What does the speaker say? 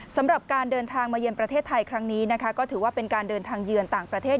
สำหรับการเดินทางมาเยือนประเทศไทยครั้งนี้นะคะก็ถือว่าเป็นการเดินทางเยือนต่างประเทศ